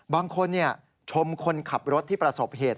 บางคนชมคนขับรถที่ประสบเหตุ